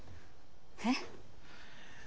えっ？